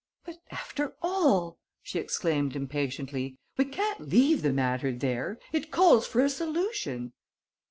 "But, after all," she exclaimed, impatiently, "we can't leave the matter there! It calls for a solution."